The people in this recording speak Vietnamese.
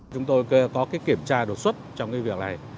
chúng tôi có kiểm tra đột xuất trong việc này